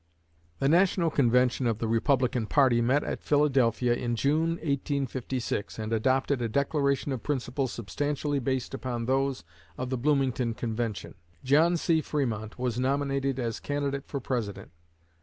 '" The National convention of the Republican party met at Philadelphia in June, 1856, and adopted a declaration of principles substantially based upon those of the Bloomington convention. John C. Fremont was nominated as candidate for President.